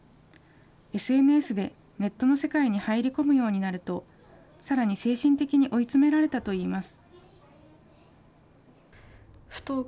ＳＮＳでネットの世界に入り込むようになると、さらに精神的に追い詰められたといいます。